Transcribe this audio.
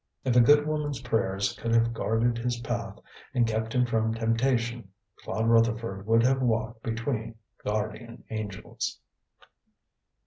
If a good woman's prayers could have guarded his path and kept him from temptation, Claude Rutherford would have walked between guardian angels.